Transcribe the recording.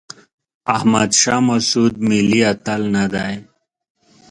احمد شاه مسعود ملي اتل نه دی.